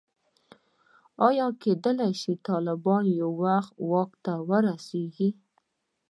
ایا کېدلای شي طالبان یو وخت واک ته ورسېږي.